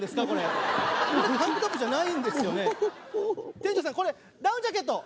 店長さんこれダウンジャケット。